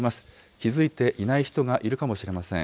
気付いていない人がいるかもしれません。